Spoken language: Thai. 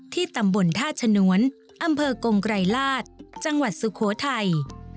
ตำบลท่าชนวนอำเภอกงไกรลาศจังหวัดสุโขทัย